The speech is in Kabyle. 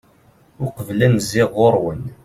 uqbel ad n-zziɣ ɣur-wen